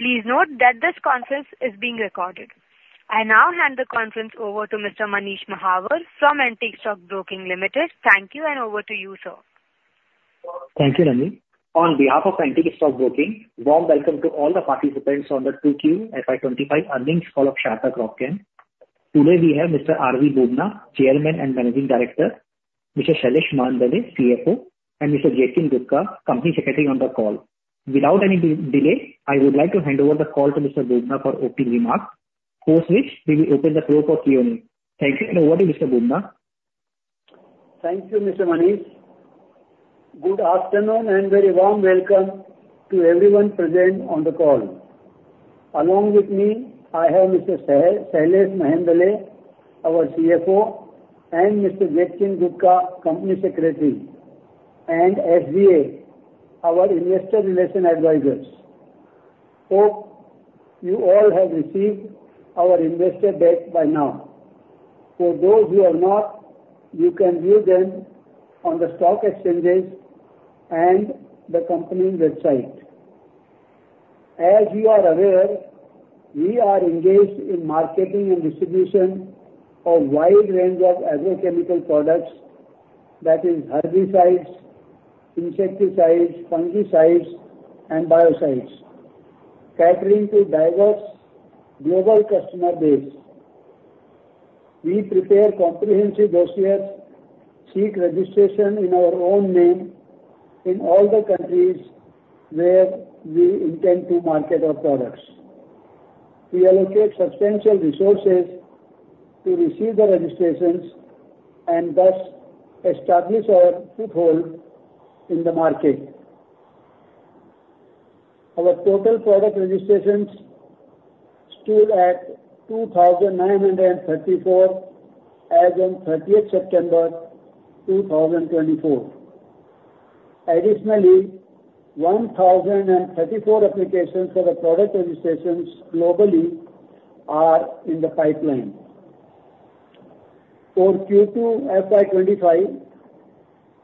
Please note that this conference is being recorded. I now hand the conference over to Mr. Manish Mahawar from Antique Stock Broking Limited. Thank you, and over to you, sir. Thank you, Ranny. On behalf of Antique Stock Broking, warm welcome to all the participants on the 2Q FY2025 earnings call of Sharda Cropchem. Today we have Mr. R.V. Bubna, Chairman and Managing Director, Mr. Shailesh Mehendale, CFO, and Mr. Jetkin Gudhka, Company Secretary on the call. Without any delay, I would like to hand over the call to Mr. Bubna for opening remarks, post which we will open the floor for Q&A. Thank you, and over to you, Mr. Bubna. Thank you, Mr. Manish. Good afternoon, and very warm welcome to everyone present on the call. Along with me, I have Mr. Shailesh Mehendale, our CFO, and Mr. Jetkin Gudhka, Company Secretary, and SGA, our Investor Relations Advisors. Hope you all have received our investor deck by now. For those who have not, you can view them on the stock exchanges and the company website. As you are aware, we are engaged in marketing and distribution of wide range of agrochemical products, that is, herbicides, insecticides, fungicides, and biocides, catering to diverse global customer base. We prepare comprehensive dossiers, seek registration in our own name in all the countries where we intend to market our products. We allocate substantial resources to receive the registrations and thus establish our foothold in the market. Our total product registrations stood at 2,934 as on September 30th 2024. Additionally, 1,034 applications for the product registrations globally are in the pipeline. For Q2 FY25,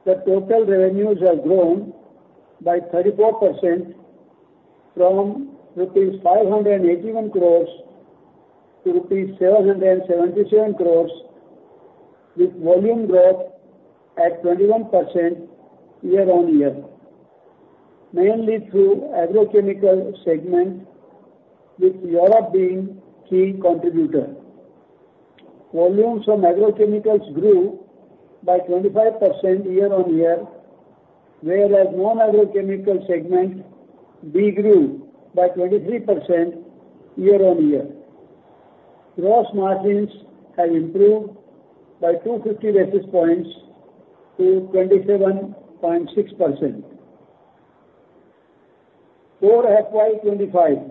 the total revenues have grown by 34% from rupees 581 crores to rupees 777 crores, with volume growth at 21% year-on-year, mainly through agrochemical segment, with Europe being key contributor. Volumes from agrochemicals grew by 25% year-on-year, whereas non-agrochemical segment degrew by 23% year-on-year. Gross margins have improved by 250 basis points to 27.6%. For FY2025,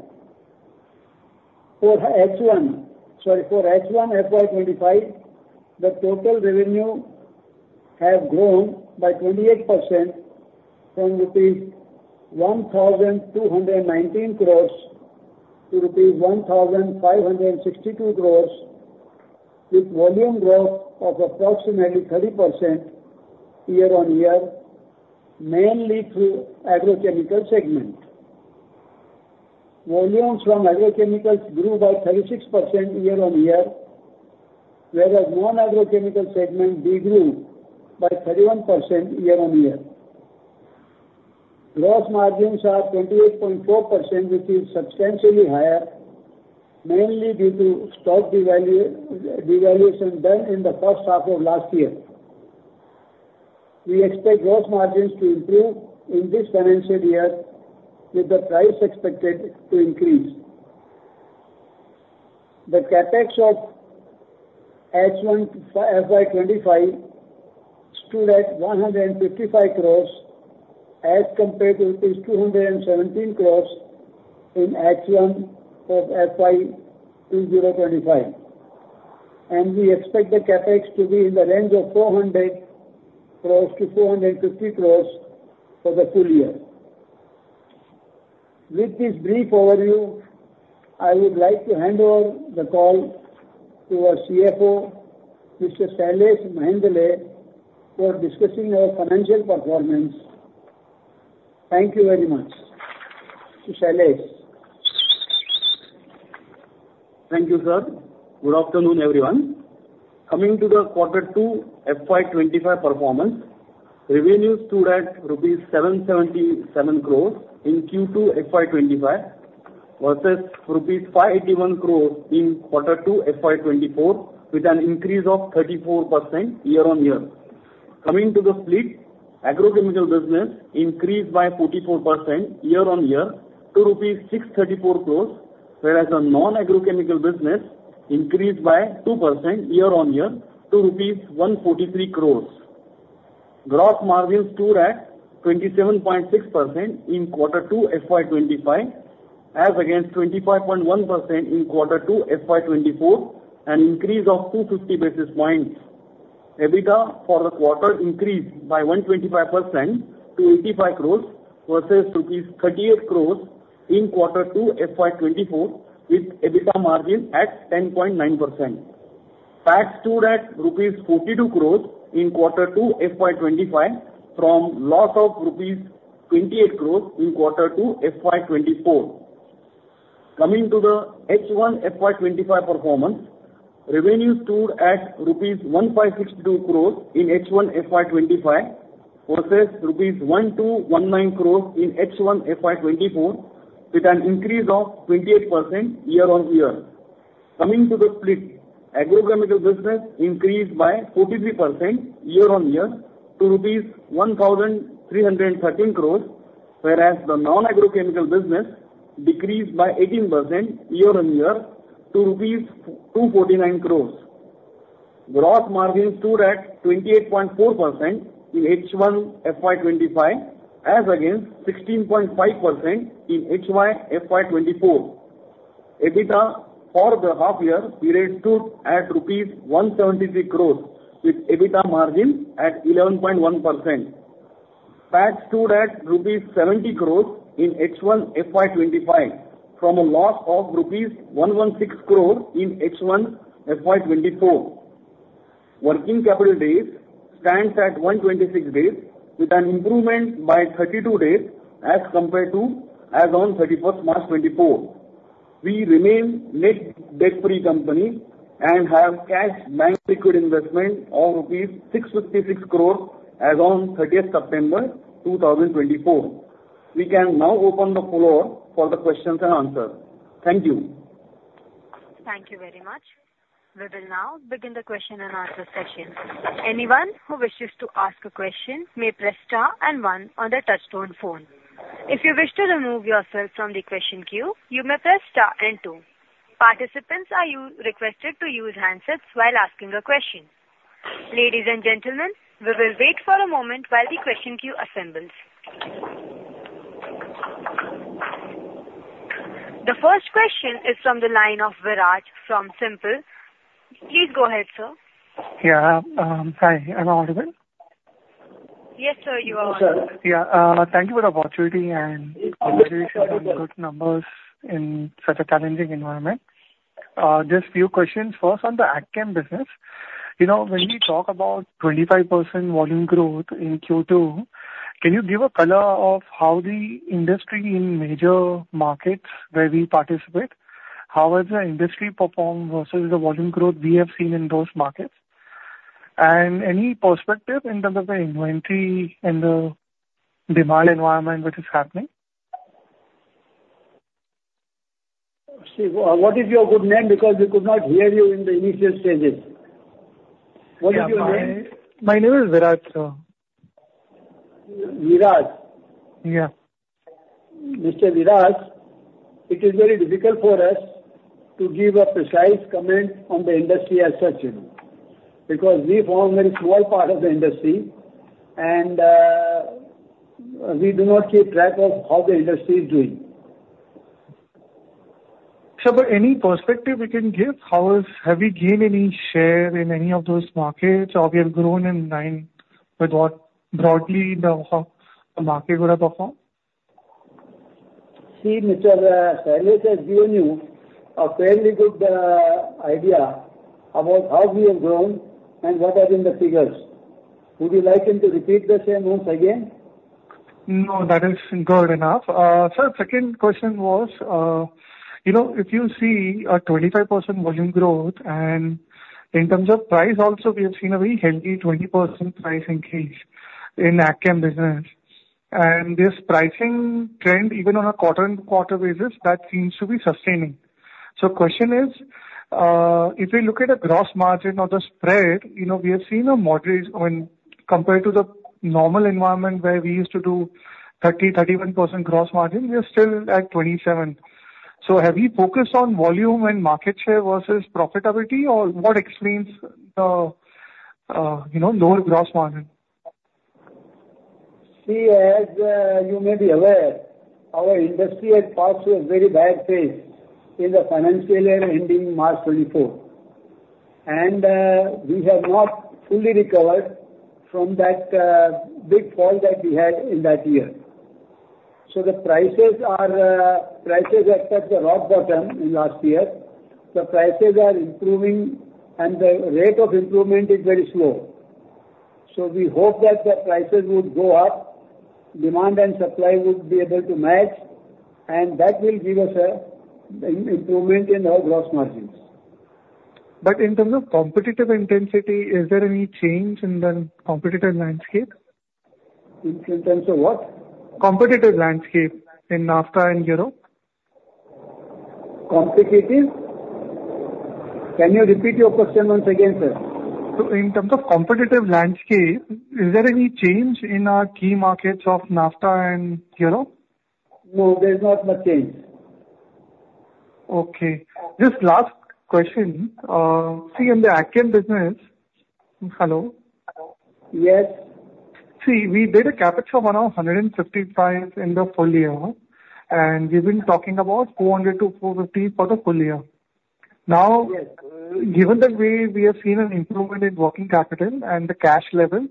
for H1, sorry, for H1 FY2025, the total revenue have grown by 28% from 1,219 crore-1,562 crore rupees, with volume growth of approximately 30% year-on-year, mainly through agrochemical segment. Volumes from agrochemicals grew by 36% year-on-year, whereas non-agrochemical segment degrew by 31% year-on-year. Gross margins are 28.4%, which is substantially higher, mainly due to stock devaluation done in the first half of last year. We expect gross margins to improve in this financial year, with the price expected to increase. The CapEx of H1 FY2025 stood at 155 crores as compared to 217 crores in H1 of FY2025, and we expect the CapEx to be in the range of 400 crores-450 crores for the full year. With this brief overview, I would like to hand over the call to our CFO, Mr. Shailesh Mehendale, for discussing our financial performance. Thank you very much. To Shailesh. Thank you, sir. Good afternoon, everyone. Coming to the quarter two FY2025 performance, revenues stood at rupees 777 crores in Q2 FY2025, versus rupees 581 crores in quarter two FY2024, with an increase of 34% year-on-year. Coming to the split, agrochemical business increased by 44% year-on-year to INR 634 crores, whereas the non-agrochemical business increased by 2% year-on-year to rupees 143 crores. Gross margins stood at 27.6% in quarter two FY2025, as against 25.1% in quarter two FY24, an increase of 250 basis points. EBITDA for the quarter increased by 125% to 85 crores, versus rupees 38 crores in quarter two FY2024, with EBITDA margin at 10.9%. PAT stood at rupees 42 crores in quarter two, FY2025, from loss of rupees 28 crores in quarter two, FY2024. Coming to the H1 FY2025 performance, revenue stood at rupees 1,562 crores in H1 FY2025, versus rupees 1,219 crores in H1 FY2024, with an increase of 28% year-on-year. Coming to the split, agrochemical business increased by 43% year-on-year to INR 1,313 crores, whereas the non-agrochemical business decreased by 18% year-on-year to rupees 249 crores. Gross margin stood at 28.4% in H1 FY2025, as against 16.5% in H1 FY2024. EBITDA for the half year period stood at rupees 173 crores, with EBITDA margin at 11.1%. PAT stood at rupees 70 crore in H1 FY2025, from a loss of rupees 116 crore in H1 FY2024. Working capital days stands at 126 days, with an improvement by 32 days as compared to as on March 31 2024. We remain net debt-free company and have cash bank liquid investment of INR 656 crore as on September 30, 2024. We can now open the floor for the questions and answers. Thank you. Thank you very much. We will now begin the question and answer session. Anyone who wishes to ask a question may press star and one on their touchtone phone. If you wish to remove yourself from the question queue, you may press star and two. Participants are requested to use handsets while asking a question. Ladies and gentlemen, we will wait for a moment while the question queue assembles. The first question is from the line of Viraj from SiMPL. Please go ahead, sir. Yeah. Hi, am I audible? Yes, sir, you are audible. Yeah. Thank you for the opportunity and congratulations on good numbers in such a challenging environment. Just few questions. First, on the AgChem business, you know, when we talk about 25% volume growth in Q2, can you give a color of how the industry in major markets where we participate, how has the industry performed versus the volume growth we have seen in those markets? And any perspective in terms of the inventory and the demand environment, which is happening? See, what is your good name? Because we could not hear you in the initial stages. What is your name? My name is Viraj Kacharia. Viraj? Yeah. Mr. Viraj, it is very difficult for us to give a precise comment on the industry as such, you know, because we form very small part of the industry, and we do not keep track of how the industry is doing. Sir, but any perspective you can give, how is... Have we gained any share in any of those markets, or we have grown in line with what, broadly, the, how the market would have performed? See, Mr. Shailesh has given you a fairly good idea about how we have grown and what have been the figures. Would you like him to repeat the same once again? No, that is good enough. Sir, second question was, you know, if you see a 25% volume growth, and in terms of price also, we have seen a very healthy 20% pricing increase in AgChem business. And this pricing trend, even on a quarter-on-quarter basis, that seems to be sustaining. Question is, if we look at the gross margin or the spread, you know, we have seen a moderate when compared to the normal environment, where we used to do 30%-31% gross margin, we are still at 27%. Have you focused on volume and market share versus profitability? Or what explains the, you know, lower gross margin? See, as you may be aware, our industry had passed through a very bad phase in the financial year ending March 2024, and we have not fully recovered from that big fall that we had in that year. So the prices are at the rock bottom in last year. The prices are improving and the rate of improvement is very slow. So we hope that the prices would go up, demand and supply would be able to match, and that will give us an improvement in our gross margins. But in terms of competitive intensity, is there any change in the competitive landscape? In terms of what? Competitive landscape in NAFTA and Europe. Competitive? Can you repeat your question once again, sir? So in terms of competitive landscape, is there any change in our key markets of NAFTA and Europe? No, there is not much change. Okay. Just last question. See, in the AgChem business... Hello? Yes. See, we did a CapEx of around 155 in the full year, and we've been talking about 400-450 for the full year. Yes. Now, given the way we have seen an improvement in working capital and the cash level,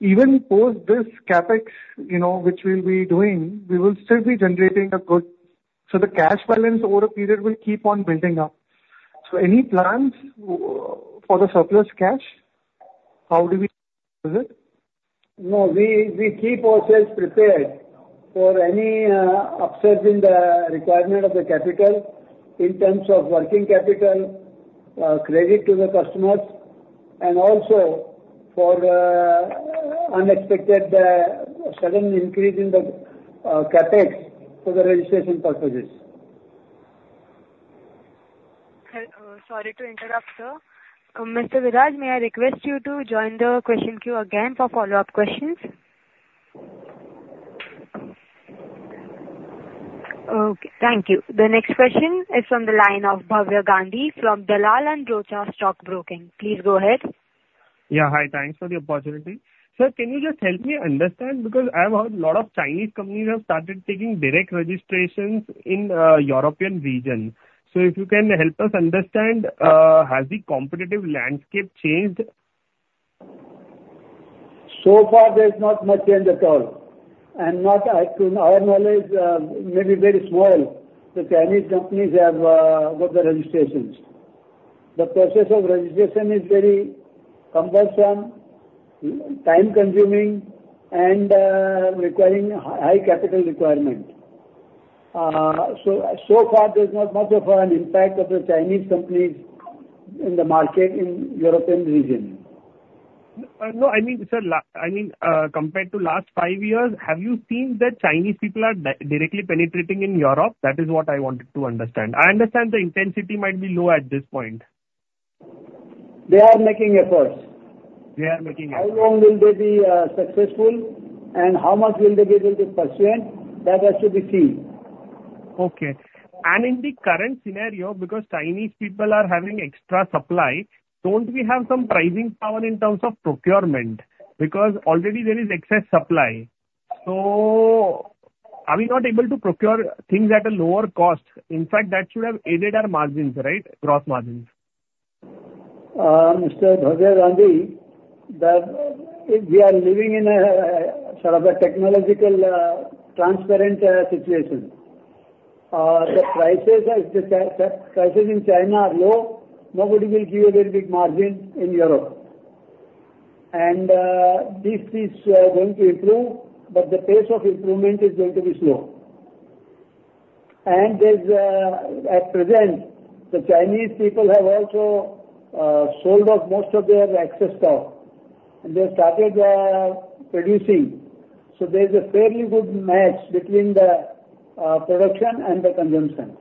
even post this CapEx, you know, which we'll be doing, we will still be generating a good- So the cash balance over a period will keep on building up. So any plans for the surplus cash? How do we use it? No, we keep ourselves prepared for any upsides in the requirement of the capital in terms of working capital, credit to the customers, and also for unexpected sudden increase in the CapEx for the registration purposes. Hello. Sorry to interrupt, sir. Mr. Viraj, may I request you to join the question queue again for follow-up questions? Okay, thank you. The next question is from the line of Bhavya Gandhi from Dalal & Broacha Stock Broking. Please go ahead. Yeah, hi. Thanks for the opportunity. Sir, can you just help me understand, because I have heard a lot of Chinese companies have started taking direct registrations in, European region. So if you can help us understand, has the competitive landscape changed? So far, there's not much change at all, and not that, to our knowledge, maybe very small. The Chinese companies have got the registrations. The process of registration is very cumbersome, time-consuming, and requiring high capital requirement. So, so far there's not much of an impact of the Chinese companies in the market in European region. No, I mean, sir, I mean, compared to last five years, have you seen that Chinese people are directly penetrating in Europe? That is what I wanted to understand. I understand the intensity might be low at this point. They are making efforts. They are making efforts. How long will they be successful, and how much will they be able to pursue? That has to be seen. Okay. And in the current scenario, because Chinese people are having extra supply, don't we have some pricing power in terms of procurement? Because already there is excess supply. So are we not able to procure things at a lower cost? In fact, that should have aided our margins, right? Gross margins. Mr. Bhavya Gandhi, we are living in a sort of technologically transparent situation. The prices in China are low. Nobody will give a very big margin in Europe. This is going to improve, but the pace of improvement is going to be slow. At present, the Chinese people have also sold off most of their excess stock, and they started producing. So there's a fairly good match between the production and the consumption.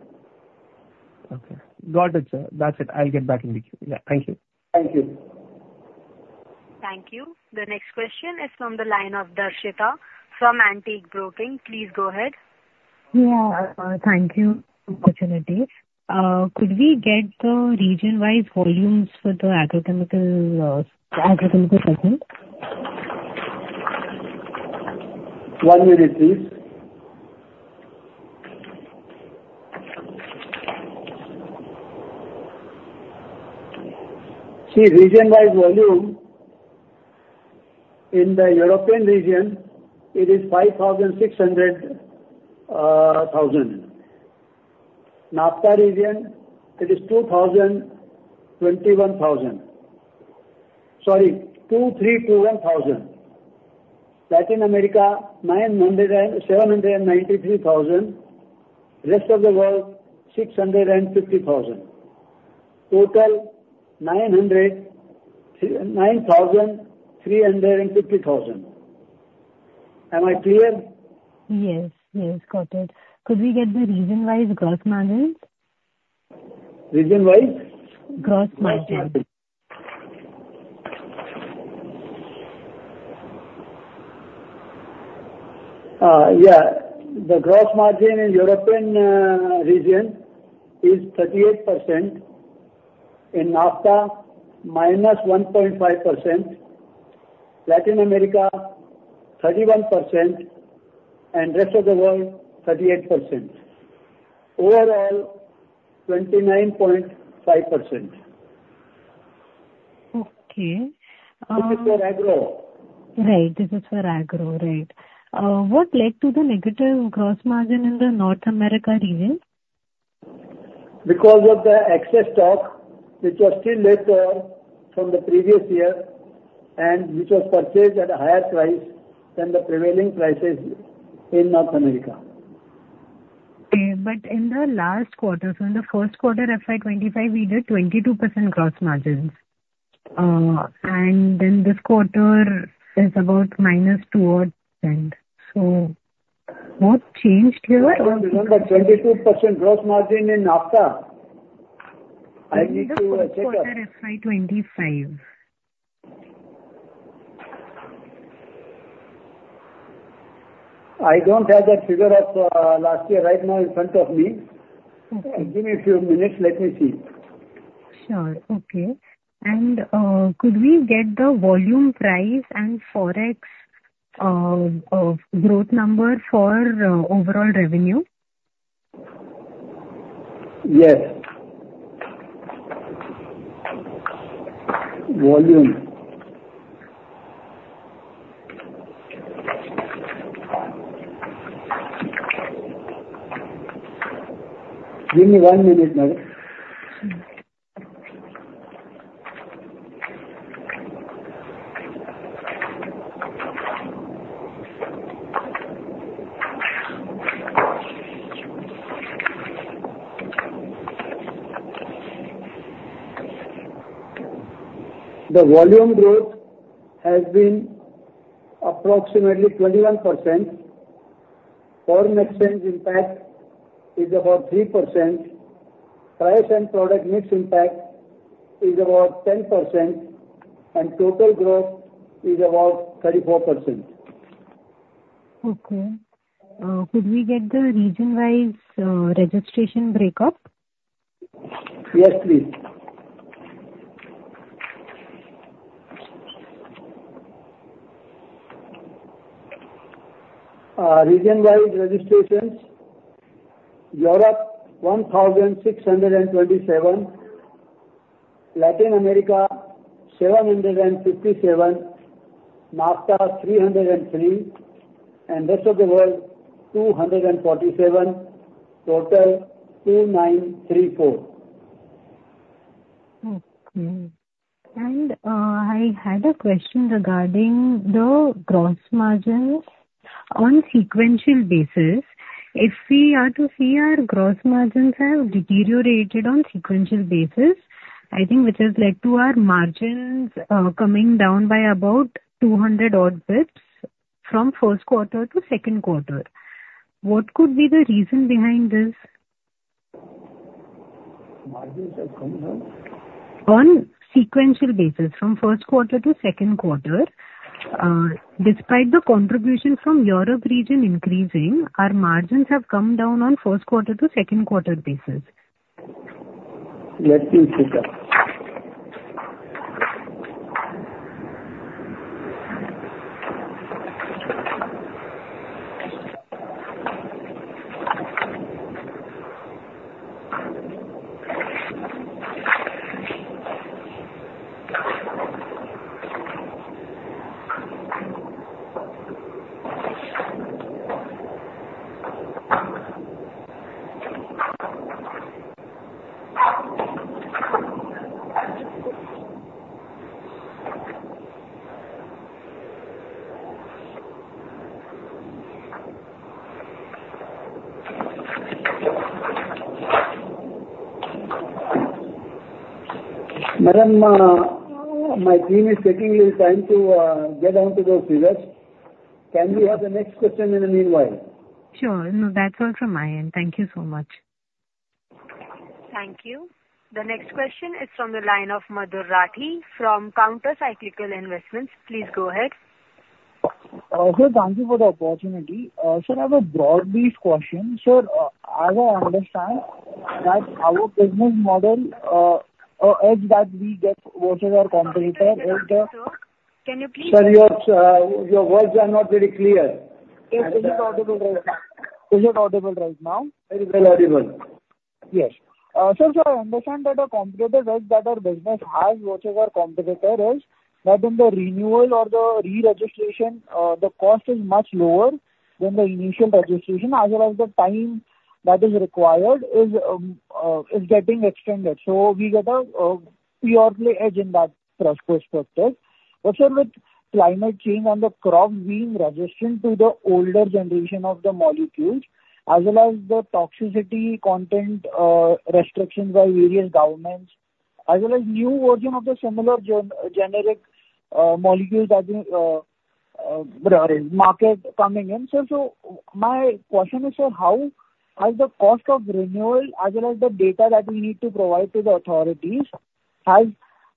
Okay. Got it, sir. That's it. I'll get back in the queue. Yeah, thank you. Thank you. Thank you. The next question is from the line of Darshita from Antique Broking. Please go ahead. Yeah, thank you for the opportunity. Could we get the region-wide volumes for the agrochemical segment? One minute, please. See, region-wide volume in the European region, it is five thousand six hundred thousand. NAFTA region, it is two thousand twenty-one thousand. Sorry, two three two one thousand. Latin America, nine hundred and seven hundred and ninety-three thousand. Rest of the world, six hundred and fifty thousand. Total, nine thousand three hundred and fifty thousand. Am I clear? Yes, yes, got it. Could we get the region-wide gross margins? Region-wide? Gross margin. Yeah. The gross margin in European region is 38%, in NAFTA, minus 1.5%, Latin America, 31%, and rest of the world, 38%. Overall, 29.5%. Okay. Uh- This is for agro. Right, this is for agro, right. What led to the negative gross margin in the North America region? Because of the excess stock, which was still left, from the previous year, and which was purchased at a higher price than the prevailing prices in North America. Okay, but in the last quarter, so in the first quarter of FY2025, we did 22% gross margins. And then this quarter is about -2%. So what changed here? Remember, 22% gross margin in NAFTA? I need to check up. FY2025. I don't have that figure of last year right now in front of me. Okay. Give me a few minutes, let me see. Sure. Okay, and could we get the volume, price, and forex growth number for overall revenue? Yes... volume. Give me one minute, madam. The volume growth has been approximately 21%. Foreign exchange impact is about 3%. Price and product mix impact is about 10%, and total growth is about 34%. Okay. Could we get the region-wise registration breakup? Yes, please. Region-wise registrations: Europe, 1,627; Latin America, 757; NAFTA, 303; and rest of the world, 247. Total, 2,934. Okay. And, I had a question regarding the gross margins on sequential basis. If we are to see our gross margins have deteriorated on sequential basis, I think which has led to our margins, coming down by about two hundred odd basis points from first quarter to second quarter. What could be the reason behind this? Margins have come down? On sequential basis, from first quarter to second quarter. Despite the contribution from Europe region increasing, our margins have come down on first quarter to second quarter basis. Let me check up. Madam, my team is taking a little time to get on to those figures. Can we have the next question in the meanwhile? Sure. No, that's all from my end. Thank you so much. Thank you. The next question is from the line of Madhur Rathi from Counter Cyclical Investments. Please go ahead. Sir, thank you for the opportunity. Sir, I have a broad-based question. Sir, as I understand that our business model is that we get whatever our competitor is the- Sir, can you please- Sir, your words are not very clear. Is it audible right now? Is it audible right now? It is audible. Yes. So I understand that our competitive edge, that our business has whatever competitor is, that in the renewal or the re-registration, the cost is much lower than the initial registration, as well as the time that is required is getting extended. So we get a clear competitive edge in that perspective. But sir, with climate change and the crop being resistant to the older generation of the molecules, as well as the toxicity content restrictions by various governments, as well as new version of the similar generic molecules that market coming in. So my question is, sir, how has the cost of renewal, as well as the data that we need to provide to the authorities, has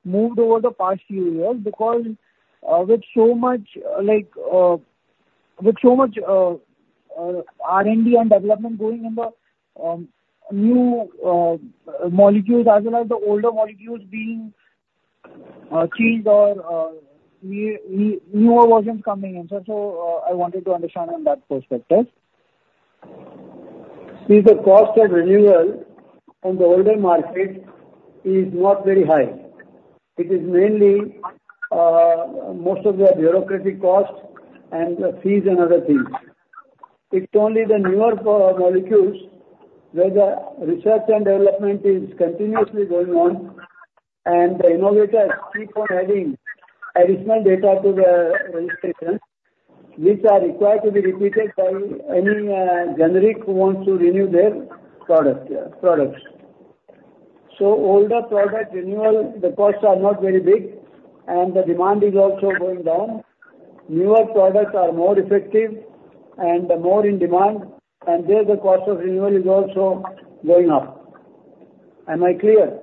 moved over the past few years? Because, with so much, like. With so much R&D and development going in the new molecules, as well as the older molecules being changed or newer versions coming in. So, I wanted to understand on that perspective. See, the cost of renewal on the older market is not very high. It is mainly, most of the bureaucratic costs and the fees and other things. It's only the newer molecules, where the research and development is continuously going on, and the innovators keep on adding additional data to the registration, which are required to be repeated by any, generic who wants to renew their product, products. So older product renewal, the costs are not very big, and the demand is also going down. Newer products are more effective and more in demand, and there, the cost of renewal is also going up. Am I clear?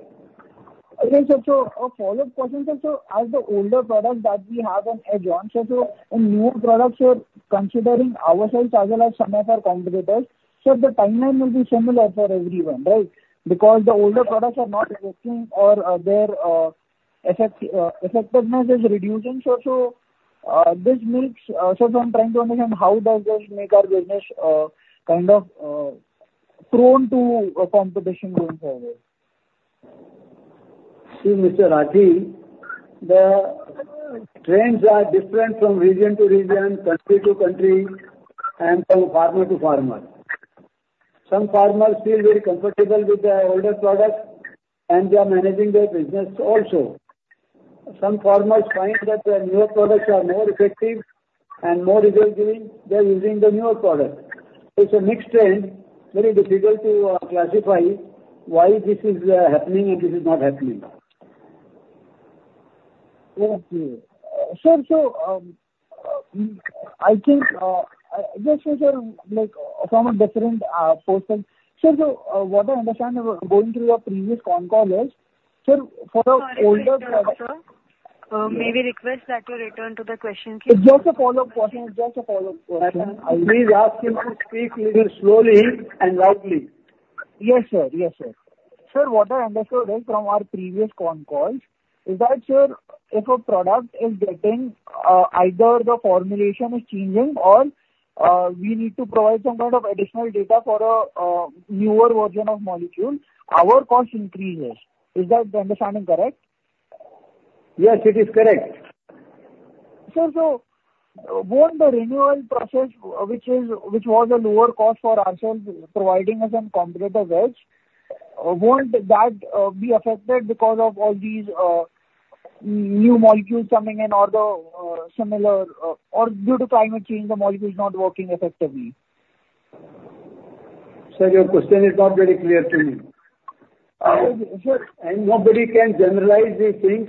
Okay, sir. So a follow-up question, sir. So as the older products that we have an edge on, so in new products, we're considering ourselves as well as some of our competitors, so the timeline will be similar for everyone, right? Because the older products are not working or their effectiveness is reducing. So this makes... So I'm trying to understand how does this make our business kind of prone to competition going forward? See, Mr. Rathi, the trends are different from region to region, country to country, and from farmer to farmer. Some farmers feel very comfortable with the older products, and they are managing their business also. Some farmers find that the newer products are more effective and more result giving, they're using the newer product. It's a mixed trend, very difficult to classify why this is happening and this is not happening. Okay. Sir, so, I think, just as a, like, from a different portion. Sir, so, what I understand, going through your previous con call is, sir, for the older- Sorry to interrupt, sir. May we request that you return to the question, please? It's just a follow-up question. Please ask him to speak little slowly and loudly. Yes, sir. Yes, sir. Sir, what I understood is from our previous con calls, is that, sir, if a product is getting, either the formulation is changing or, we need to provide some kind of additional data for a, newer version of molecule, our cost increases. Is that understanding correct? Yes, it is correct. Sir, so won't the renewal process, which is, which was a lower cost for ourselves, providing us a competitive edge, won't that be affected because of all these new molecules coming in or the similar, or due to climate change, the molecule is not working effectively? Sir, your question is not very clear to me. Sir, and nobody can generalize these things.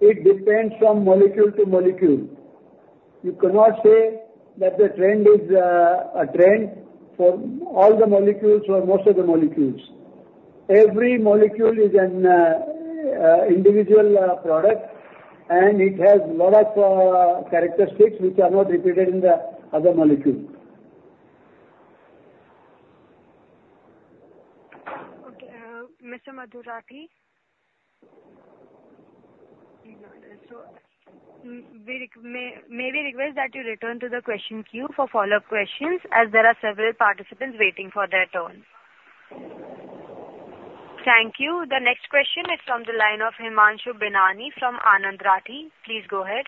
It depends from molecule to molecule. You cannot say that the trend is a trend for all the molecules or most of the molecules. Every molecule is an individual product, and it has lot of characteristics which are not repeated in the other molecule. Okay, Mr. Madhur Rathi. So, may we request that you return to the question queue for follow-up questions, as there are several participants waiting for their turn. Thank you. The next question is from the line of Himanshu Binani from Anand Rathi. Please go ahead.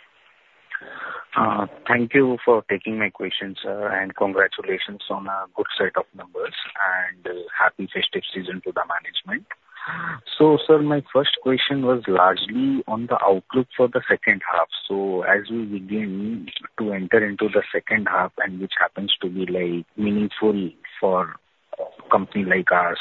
Thank you for taking my question, sir, and congratulations on a good set of numbers, and happy festive season to the management. So sir, my first question was largely on the outlook for the second half. So as we begin to enter into the second half, and which happens to be, like, meaningful for a company like ours,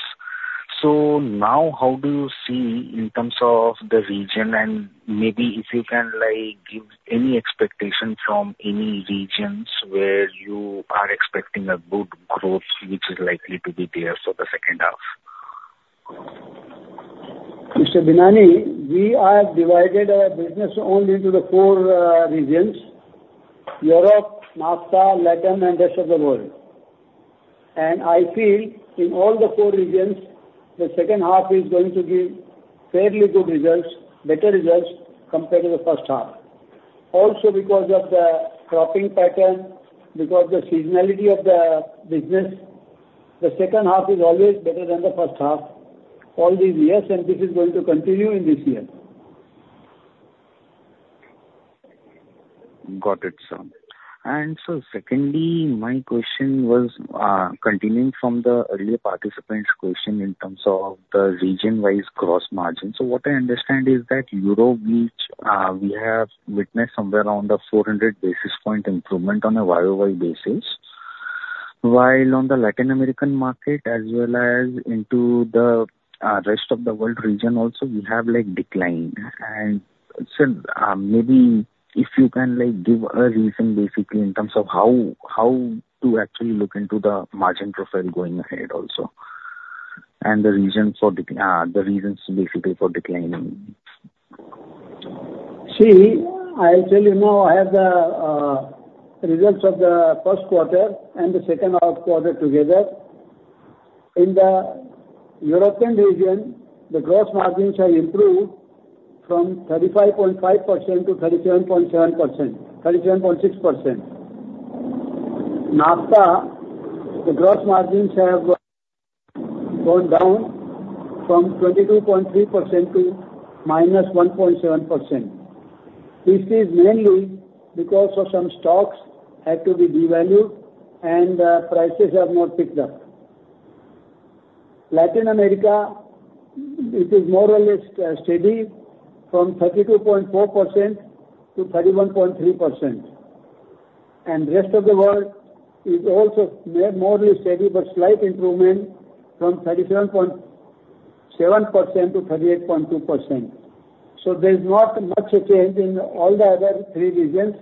so now how do you see in terms of the region and maybe if you can, like, give any expectation from any regions where you are expecting a good growth, which is likely to be there for the second half? Mr. Binani, we have divided our business only into the four regions, Europe, NAFTA, Latin, and rest of the world. And I feel in all the four regions, the second half is going to give fairly good results, better results compared to the first half. Also, because of the cropping pattern, because the seasonality of the business, the second half is always better than the first half all these years, and this is going to continue in this year. Got it, sir. And so secondly, my question was, continuing from the earlier participant's question in terms of the region-wise gross margin. So what I understand is that Europe, which, we have witnessed somewhere around 400 basis points improvement on a YoY basis, while on the Latin America market as well as into the rest of the world region also, we have, like, declined. And sir, maybe if you can, like, give a reason basically in terms of how, how to actually look into the margin profile going ahead also, and the reasons for decline, the reasons basically for declining. See, I'll tell you now I have the results of the first quarter and the second half quarter together. In the European region, the gross margins have improved from 35.5%-37.7%, 37.6%. NAFTA, the gross margins have gone down from 22.3% to -1.7%. This is mainly because of some stocks had to be devalued and prices have not picked up. Latin America, it is more or less steady from 32.4%-31.3%. Rest of the world is also more or less steady but slight improvement from 37.7%-38.2%. So there's not much change in all the other three regions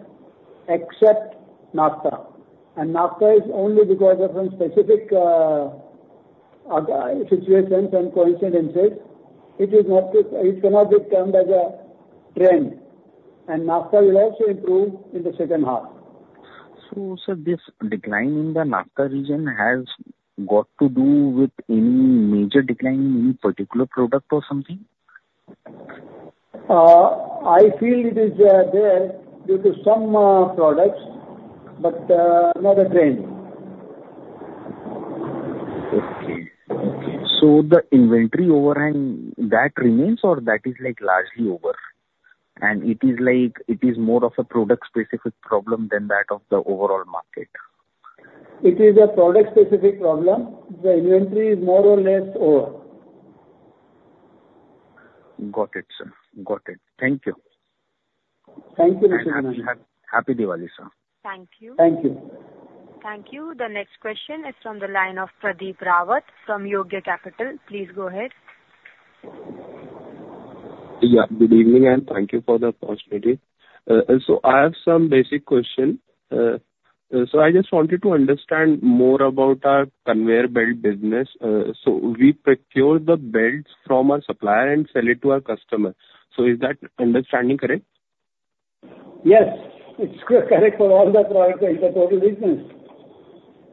except NAFTA. NAFTA is only because of some specific situations and coincidences. It cannot be termed as a trend, and NAFTA will also improve in the second half. So, sir, this decline in the NAFTA region has got to do with any major decline in particular product or something?... I feel it is there due to some products, but not a trend. Okay. Okay. So the inventory overhang, that remains or that is like largely over, and it is like, it is more of a product specific problem than that of the overall market? It is a product specific problem. The inventory is more or less over. Got it, sir. Got it. Thank you. Thank you, Mr. Nandi. Happy, happy Diwali, sir. Thank you. Thank you. Thank you. The next question is from the line of Pradeep Rawat from Yogya Capital. Please go ahead. Yeah, good evening, and thank you for the opportunity. So I have some basic question. So I just wanted to understand more about our conveyor belt business. So we procure the belts from our supplier and sell it to our customers. So is that understanding correct? Yes, it's correct for all the products in the total business.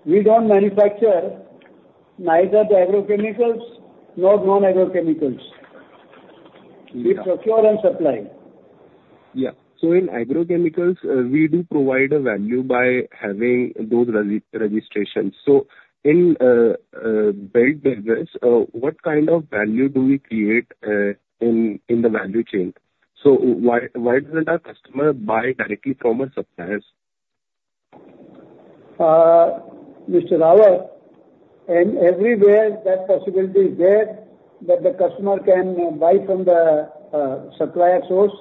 We don't manufacture neither the agrochemicals nor non-agrochemicals. Yeah. We procure and supply. Yeah. So in agrochemicals, we do provide a value by having those registrations. So in belt business, what kind of value do we create in the value chain? So why doesn't our customer buy directly from our suppliers? Mr. Rawat, in everywhere that possibility is there, that the customer can buy from the supplier source,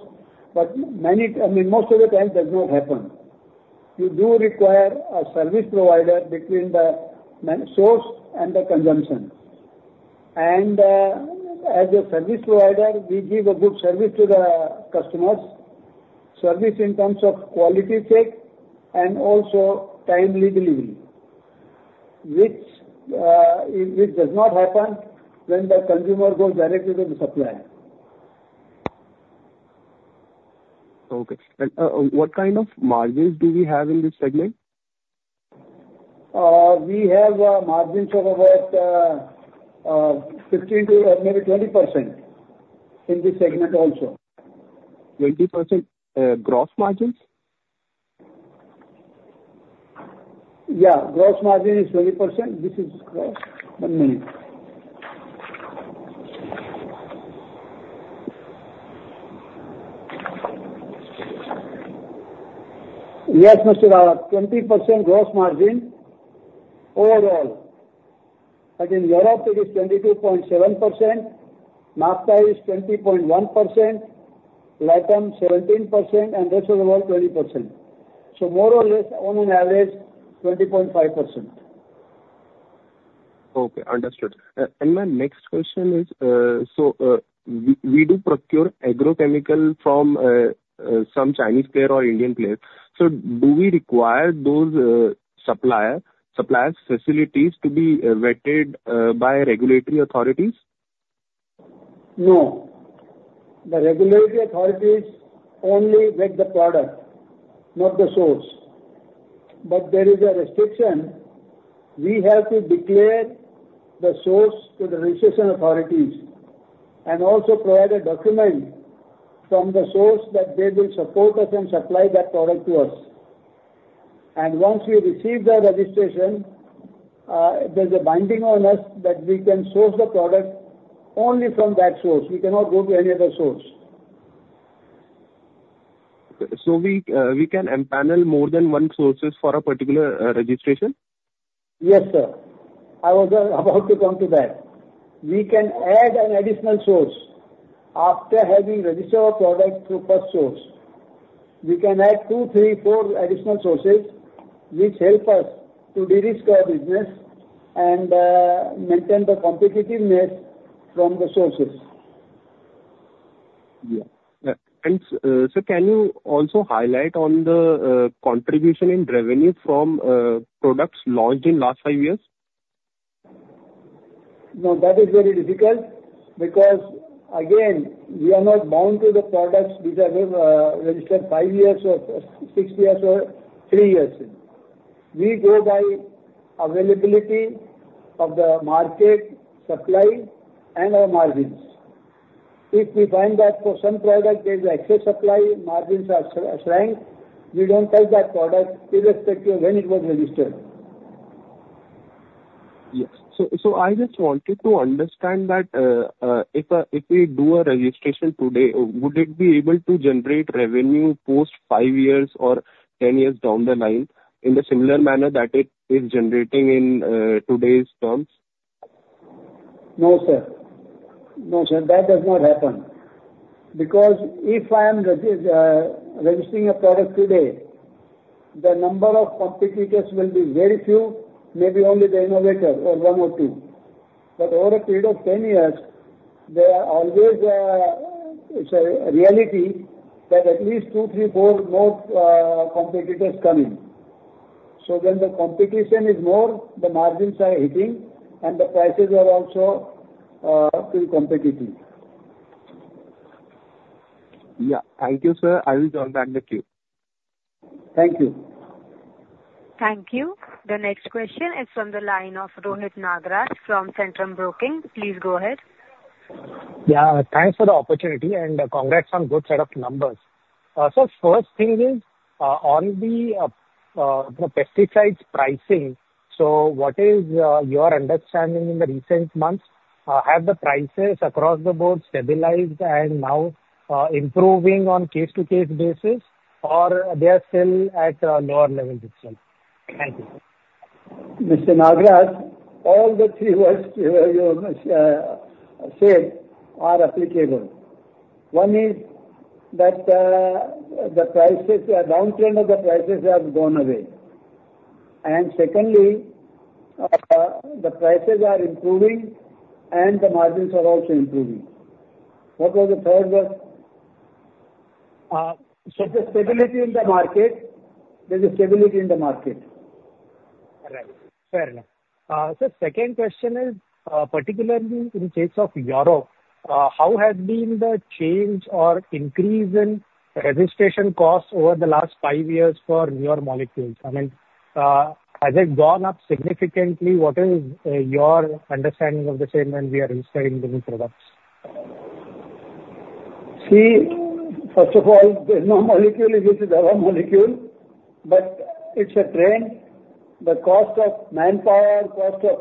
but many... I mean, most of the time does not happen. You do require a service provider between the source and the consumption. And as a service provider, we give a good service to the customers, service in terms of quality check and also timely delivery, which it does not happen when the consumer goes directly to the supplier. Okay, and what kind of margins do we have in this segment? We have margins of about 15% to maybe 20% in this segment also. 20% gross margins? Yeah, gross margin is 20%. This is gross. One minute. Yes, Mr. Rawat, 20% gross margin overall, but in Europe it is 22.7%, NAFTA is 20.1%, LATAM 17%, and rest of the world, 20%. So more or less, on an average, 20.5%. Okay, understood. And my next question is, so we do procure agrochemical from some Chinese player or Indian player. So do we require those suppliers' facilities to be vetted by regulatory authorities? No. The regulatory authorities only vet the product, not the source. But there is a restriction. We have to declare the source to the registration authorities, and also provide a document from the source that they will support us and supply that product to us. And once we receive the registration, there's a binding on us that we can source the product only from that source. We cannot go to any other source. So we can empanel more than one sources for a particular registration? Yes, sir. I was about to come to that. We can add an additional source after having registered our product through first source. We can add two, three, four additional sources, which help us to de-risk our business and maintain the competitiveness from the sources. Yeah. And, sir, can you also highlight on the contribution in revenue from products launched in last five years? No, that is very difficult, because again, we are not bound to the products which are registered five years or six years or three years. We go by availability of the market, supply, and our margins. If we find that for some product there is excess supply, margins are shrank, we don't touch that product, irrespective of when it was registered. Yes. So I just wanted to understand that, if we do a registration today, would it be able to generate revenue post five years or ten years down the line in the similar manner that it is generating in today's terms? No, sir. No, sir, that does not happen. Because if I am registering a product today, the number of competitors will be very few, maybe only the innovator or one or two. But over a period of ten years, there are always, sorry, a reality that at least two, three, four more competitors come in. So when the competition is more, the margins are hitting, and the prices are also too competitive. Yeah. Thank you, sir. I will join back the queue. Thank you. Thank you. The next question is from the line of Rohit Nagraj from Centrum Broking. Please go ahead. Yeah, thanks for the opportunity, and congrats on good set of numbers. So first thing is on the pesticides pricing, so what is your understanding in the recent months? Have the prices across the board stabilized and now improving on case-to-case basis, or they are still at a lower level itself? Thank you. Mr. Nagraj, all the three words you said are applicable. One is that, the prices, the downtrend of the prices have gone away. And secondly, the prices are improving and the margins are also improving. What was the third one? So there's stability in the market? There's a stability in the market. Right. Fair enough, so second question is, particularly in the case of Europe, how has been the change or increase in registration costs over the last five years for newer molecules? I mean, has it gone up significantly? What is your understanding of the same when we are registering new products? See, first of all, there's no molecule which is our molecule, but it's a trend. The cost of manpower, cost of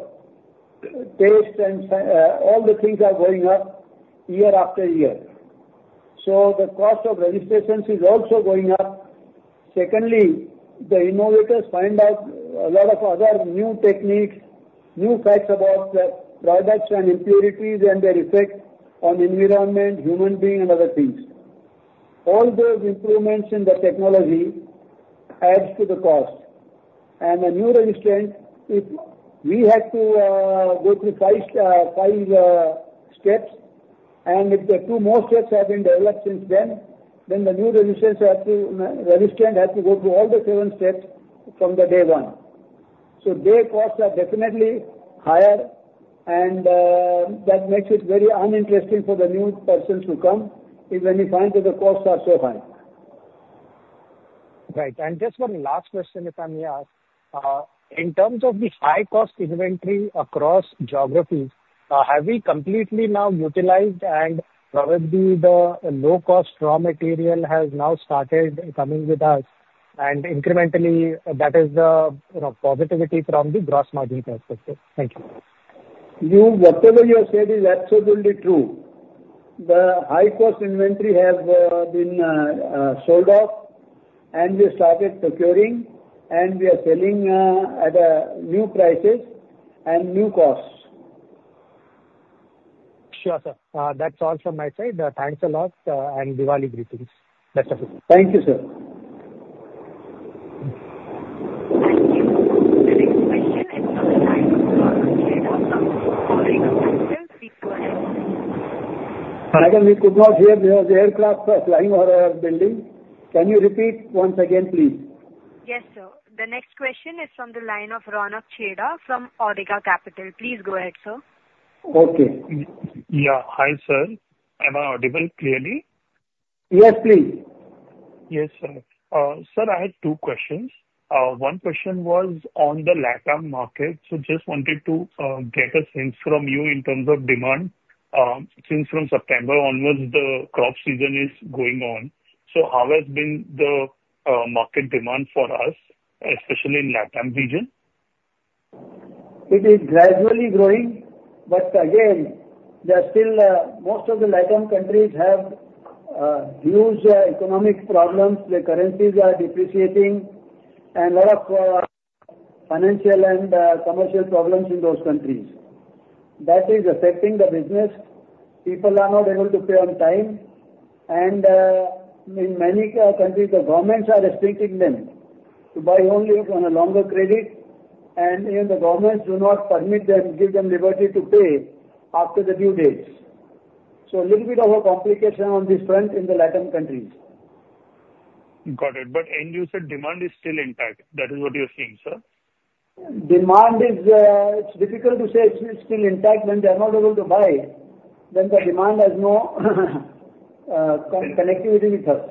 testing and R&D, all the things are going up year after year. So the cost of registrations is also going up. Secondly, the innovators find out a lot of other new techniques, new facts about the products and impurities and their effect on environment, human beings and other things. All those improvements in the technology adds to the cost. And the new registrant, if we had to go through five steps, and if the two more steps have been developed since then, then the new registrant has to go through all the seven steps from the day one. So their costs are definitely higher, and that makes it very uninteresting for the new persons to come, is when you find that the costs are so high. Right. And just one last question, if I may ask. In terms of the high-cost inventory across geographies, have we completely now utilized and probably the low-cost raw material has now started coming with us, and incrementally, that is the, you know, positivity from the gross margin perspective? Thank you. Whatever you have said is absolutely true. The high-cost inventory has been sold off, and we started procuring, and we are selling at new prices and new costs. Sure, sir. That's all from my side. Thanks a lot, and Diwali greetings. Best of luck. Thank you, sir. Thank you. The next question is from the line of Ronak Chheda from Omkara Capital. Please go ahead. Pardon, we could not hear. There was aircraft flying over our building. Can you repeat once again, please? Yes, sir. The next question is from the line of Ronak Chheda from Omkara Capital. Please go ahead, sir. Okay. Yeah. Hi, sir. Am I audible clearly? Yes, please. Yes, sir. Sir, I have two questions. One question was on the Latam market, so just wanted to get a sense from you in terms of demand. Since from September onwards, the crop season is going on, so how has been the market demand for us, especially in Latam region? It is gradually growing, but again, there are still most of the Latam countries have huge economic problems. Their currencies are depreciating, and lot of financial and commercial problems in those countries. That is affecting the business. People are not able to pay on time, and in many countries, the governments are restricting them to buy only on a longer credit, and even the governments do not permit them, give them liberty to pay after the due dates. So a little bit of a complication on this front in the Latam countries. Got it. But you said demand is still intact. That is what you're seeing, sir? Demand is. It's difficult to say it's still intact when they are not able to buy. Then the demand has no connectivity with us.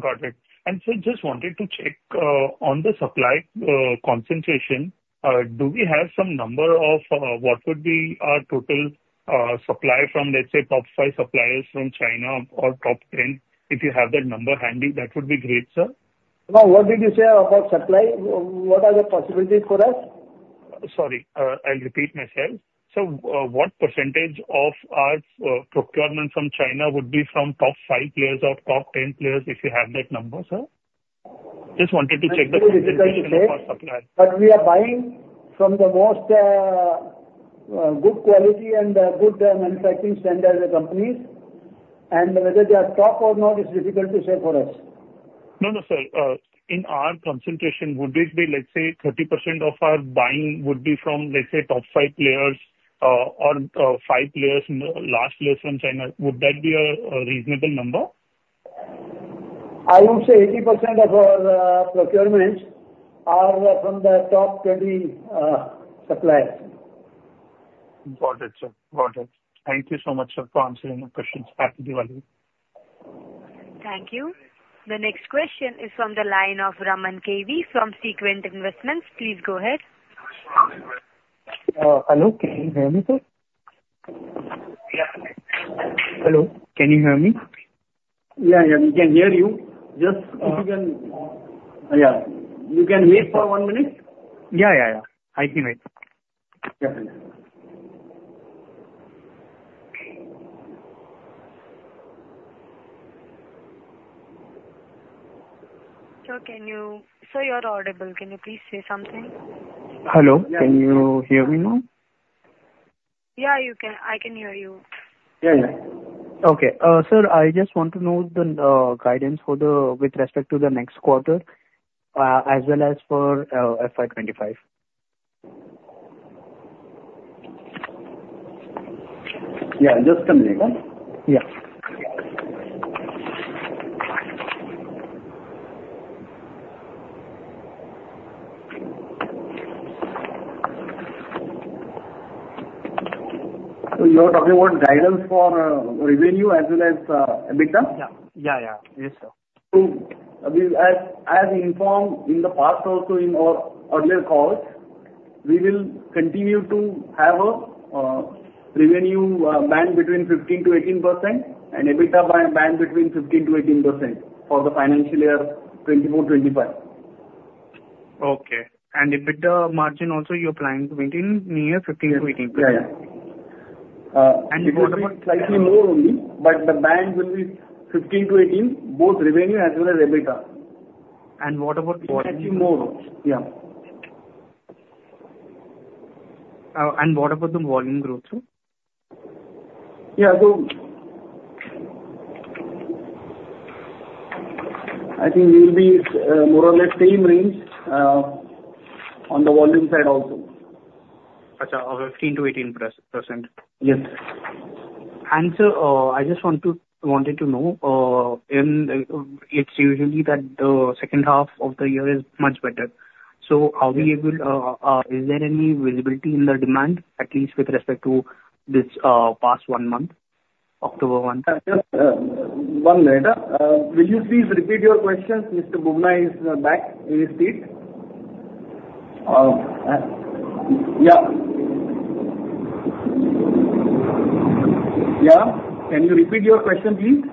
Got it. And sir, just wanted to check, on the supply, concentration, do we have some number of, what would be our total, supply from, let's say, top five suppliers from China or top 10? If you have that number handy, that would be great, sir. What did you say about supply? What are the possibilities for us? Sorry, I'll repeat myself. So, what percentage of our procurement from China would be from top five players or top ten players, if you have that number, sir? Just wanted to check the percentage for suppliers. But we are buying from the most good quality and good manufacturing standard companies, and whether they are top or not is difficult to say for us. No, no, sir, in our concentration, would it be, let's say, 30% of our buying would be from, let's say, top five players, or, five players, large players from China? Would that be a, reasonable number? I would say 80% of our procurements are from the top 20 suppliers. Got it, sir. Got it. Thank you so much, sir, for answering my questions. Happy Diwali!... Thank you. The next question is from the line of Raman KV from Sequent Investments. Please go ahead. Hello, can you hear me, sir? Yeah. Hello, can you hear me? Yeah, yeah, we can hear you. Just if you can- Uh. Yeah, you can wait for one minute? Yeah, yeah, yeah. I can wait. Definitely. Sir, can you... Sir, you are audible. Can you please say something? Hello, can you hear me now? Yeah, you can, I can hear you. Yeah, yeah. Okay. Sir, I just want to know the guidance for the, with respect to the next quarter, as well as for FY2025. Yeah, just a minute. Yeah. So you're talking about guidance for revenue as well as EBITDA? Yeah. Yeah, yeah. Yes, sir. We, as informed in the past, also in our earlier calls, will continue to have a revenue band between 15%-18% and EBITDA band between 15%-18% for the financial year 2024-2025. Okay. And EBITDA margin also, you're planning to maintain near 15%-18%? Yeah, yeah. And what about- Slightly more only, but the band will be 15-18, both revenue as well as EBITDA. What about volume- Actually, more. Yeah. And what about the volume growth, sir? Yeah. So, I think we'll be more or less same range on the volume side also. Gotcha. Of 15%-18%? Yes. Sir, I just wanted to know. It's usually that the second half of the year is much better. So is there any visibility in the demand, at least with respect to this past one month, October month? Just, one minute. Will you please repeat your question? Mr. Bubna is back in his seat. Yeah. Yeah. Can you repeat your question, please?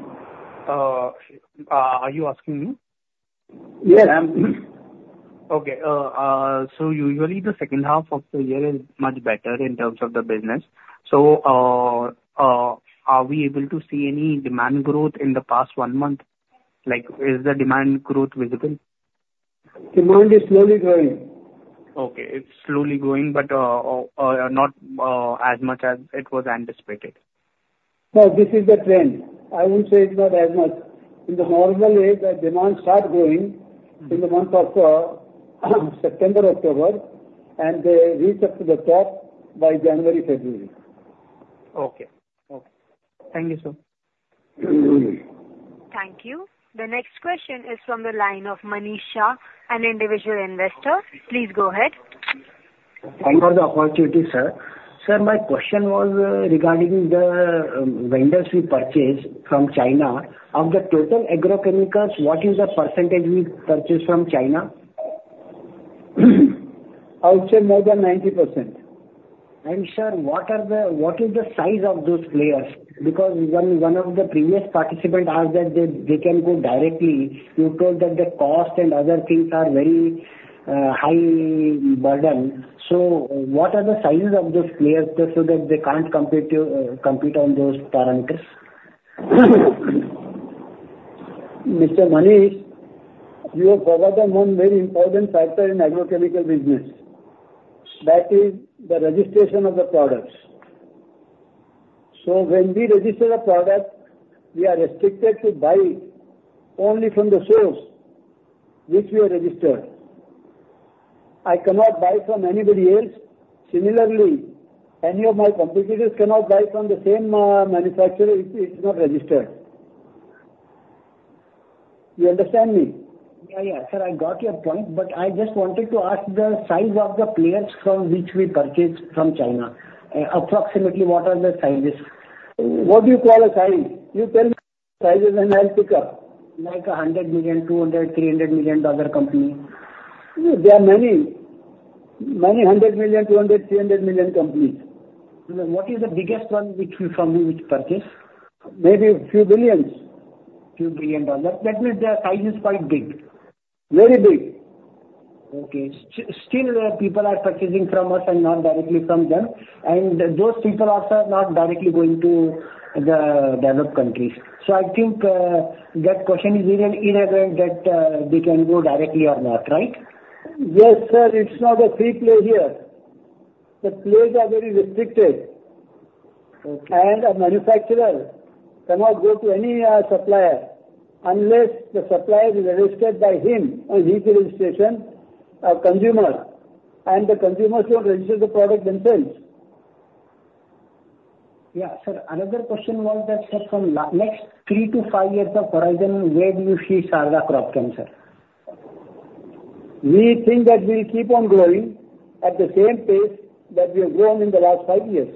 Are you asking me? Yes, I am. Okay. So usually the second half of the year is much better in terms of the business. So, are we able to see any demand growth in the past one month? Like, is the demand growth visible? Demand is slowly growing. Okay, it's slowly growing, but not as much as it was anticipated. No, this is the trend. I wouldn't say it's not as much. In the normal way, the demand start growing- Mm-hmm. -in the month of September, October, and they reach up to the top by January, February. Okay. Okay. Thank you, sir. Mm-hmm. Thank you. The next question is from the line of Manish Shah, an individual investor. Please go ahead. Thank you for the opportunity, sir. Sir, my question was regarding the vendors we purchase from China. Of the total agrochemicals, what is the percentage we purchase from China? I would say more than 90%. Sir, what are the... What is the size of those players? Because one of the previous participant asked that they can go directly. You told that the cost and other things are very high burden. So what are the sizes of those players just so that they can't compete on those parameters? Mr. Manish, you have forgotten one very important factor in agrochemical business. That is the registration of the products. So when we register a product, we are restricted to buy only from the source which we are registered. I cannot buy from anybody else. Similarly, any of my competitors cannot buy from the same manufacturer if it's not registered. You understand me? Yeah, yeah. Sir, I got your point, but I just wanted to ask the size of the players from which we purchase from China. Approximately, what are the sizes? What do you call a size? You tell me the sizes, and I'll pick up. Like a $100 million, $200 million, $300 million dollar company. There are many, many hundred million, two hundred, three hundred million companies. What is the biggest one from which you purchase? Maybe a few billions. Few billion dollars. That means their size is quite big. Very big. Okay. Still, people are purchasing from us and not directly from them, and those people also are not directly going to the developed countries. So I think that question is irrelevant, that they can go directly or not, right? Yes, sir, it's not a free play here. The players are very restricted. Okay. A manufacturer cannot go to any supplier unless the supplier is registered by him on his registration, a consumer, and the consumers who register the product themselves. Yeah. Sir, another question was that, sir, from next three to five years of horizon, where do you see Sharda Cropchem going, sir?... We think that we'll keep on growing at the same pace that we have grown in the last five years.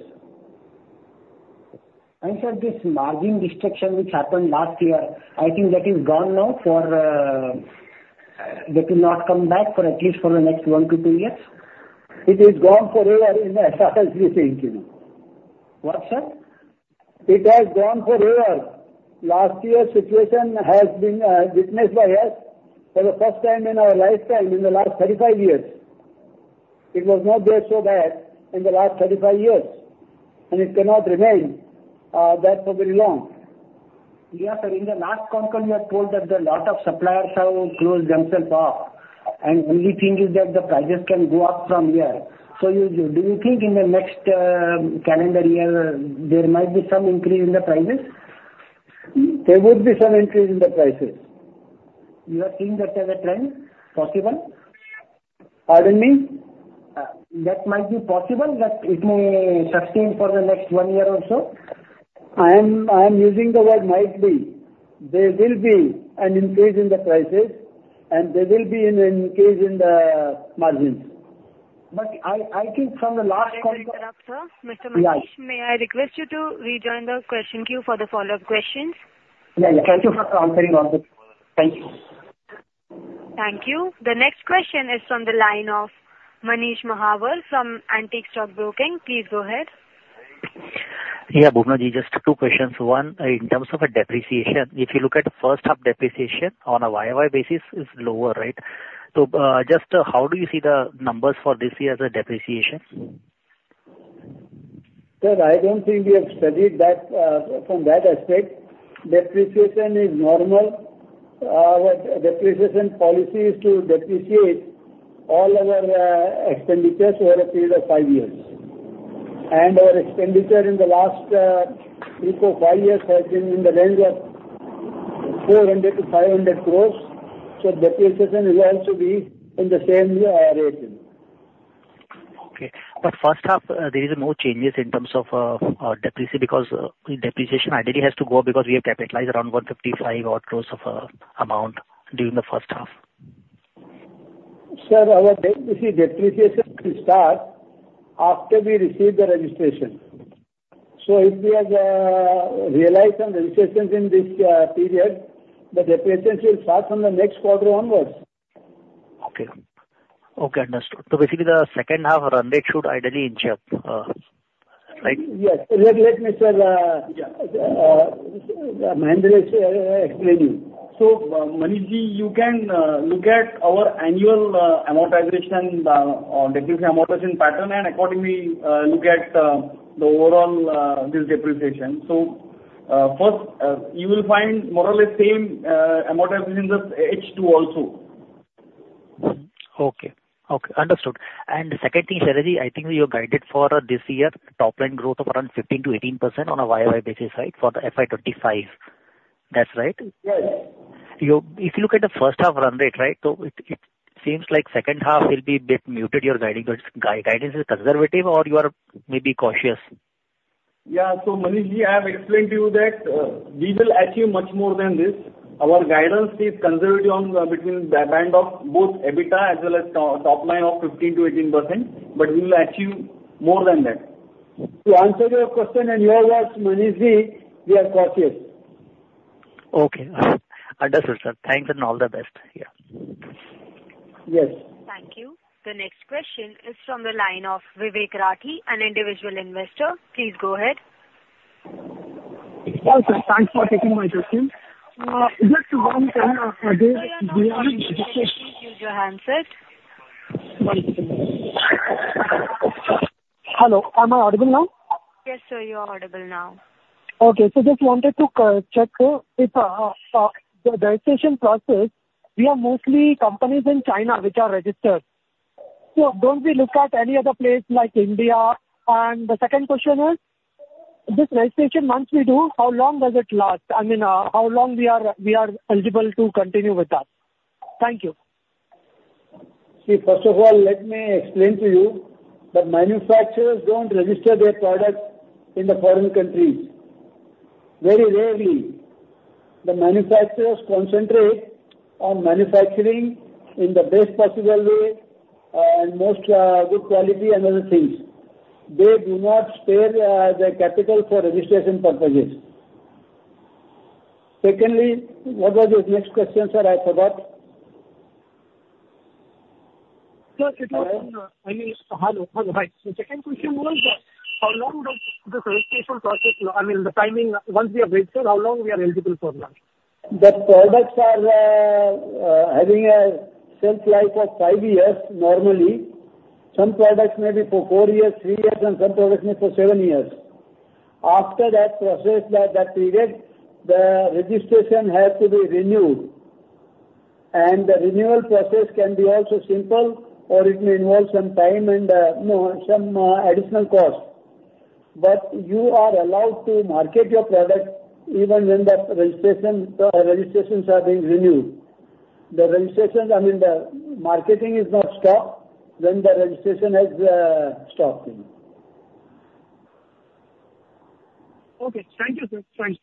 And, sir, this margin destruction which happened last year, I think that is gone now. That will not come back for at least the next one to two years? It is gone forever, in a nutshell, as we say, you know. What, sir? It has gone forever. Last year's situation has been witnessed by us for the first time in our lifetime, in the last thirty-five years. It was not there so bad in the last thirty-five years, and it cannot remain that for very long. Yeah, sir. In the last conference you have told that there are a lot of suppliers have closed themselves off, and only thing is that the prices can go up from here. So you- do you think in the next, calendar year, there might be some increase in the prices? There would be some increase in the prices. You are seeing that as a trend possible? Pardon me? That might be possible, that it may sustain for the next one year or so? I am using the word might be. There will be an increase in the prices, and there will be an increase in the margins. But I think from the last quarter- Sorry to interrupt, sir. Mr. Mahawar- Yeah. May I request you to rejoin the question queue for the follow-up questions? Yeah, yeah. Thank you for answering also. Thank you. Thank you. The next question is from the line of Manish Mahawar from Antique Stock Broking. Please go ahead. Yeah, Bhavya, just two questions. One, in terms of a depreciation, if you look at the first half depreciation on a YoY basis is lower, right? So, just, how do you see the numbers for this year as a depreciation? Sir, I don't think we have studied that from that aspect. Depreciation is normal. Our depreciation policy is to depreciate all our expenditures over a period of five years. And our expenditure in the last three to five years has been in the range of 400-500 crores, so depreciation will also be in the same range. Okay, but first half, there is no changes in terms of depreciation because depreciation ideally has to go up because we have capitalized around 155 odd crores of amount during the first half. Sir, our depreciation will start after we receive the registration. So if we have realized some registrations in this period, the depreciation will start from the next quarter onwards. Okay. Okay, understood. So basically, the second half run rate should ideally inch up, right? Yes. Let me, sir. Yeah. Mehendale will explain you. Manishji, you can look at our annual amortization or depreciation amortization pattern, and accordingly look at the overall this depreciation. First, you will find more or less same amortization in the H2 also. Okay. Okay, understood. And the second thing, Shaileshji, I think you have guided for this year, top line growth of around 15%-18% on a YoY basis, right? For the FY2025. That's right? Yes. If you look at the first half run rate, right, so it seems like second half will be a bit muted, your guidance, so is guidance conservative or you are maybe cautious? Yeah. So Manishji, I have explained to you that we will achieve much more than this. Our guidance is conservative on between the band of both EBITDA as well as top line of 15%-18%, but we will achieve more than that. To answer your question in your words, Manishji, we are cautious. Okay. Understood, sir. Thanks, and all the best. Yeah. Yes. Thank you. The next question is from the line of Vivek Rathi, an individual investor. Please go ahead. Sir, thanks for taking my question. Just one kind of there- Sir, you are not audible. Please use your handset. Hello, am I audible now? Yes, sir, you are audible now. Okay. So just wanted to check if the registration process, we have mostly companies in China which are registered. So don't we look at any other place like India? And the second question is, this registration, once we do, how long does it last? I mean, how long we are eligible to continue with that? Thank you. See, first of all, let me explain to you that manufacturers don't register their products in the foreign countries. Very rarely. The manufacturers concentrate on manufacturing in the best possible way, and most good quality and other things. They do not spare the capital for registration purposes. Secondly, what was your next question, sir? I forgot. Sir, it was. Uh? I mean, hello. Hello, hi. The second question was, how long does this registration process, I mean, the timing, once we are registered, how long we are eligible for now? The products are having a shelf life of five years, normally. Some products may be for four years, three years, and some products may be for seven years. After that process, that period, the registration has to be renewed, and the renewal process can be also simple, or it may involve some time and, you know, some additional cost. But you are allowed to market your product even when the registration, registrations are being renewed. The registrations, I mean, the marketing is not stopped when the registration has stopped. Okay. Thank you, sir. Thanks.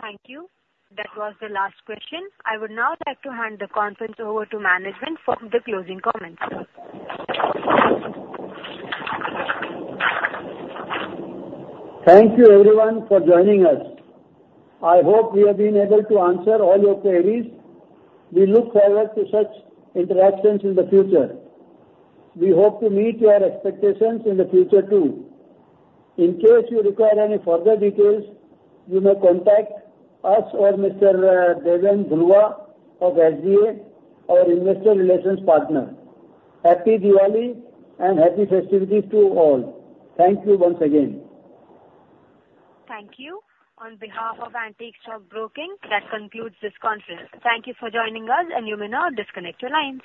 Thank you. That was the last question. I would now like to hand the conference over to management for the closing comments. Thank you everyone for joining us. I hope we have been able to answer all your queries. We look forward to such interactions in the future. We hope to meet your expectations in the future, too. In case you require any further details, you may contact us or Mr. Deven Dhruva of SGA, our investor relations partner. Happy Diwali and happy festivities to you all. Thank you once again. Thank you. On behalf of Antique Stock Broking, that concludes this conference. Thank you for joining us, and you may now disconnect your lines.